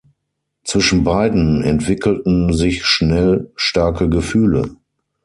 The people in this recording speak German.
Zwischen beiden entwickelten sich schnell starke Gefühle.